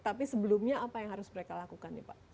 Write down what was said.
tapi sebelumnya apa yang harus mereka lakukan nih pak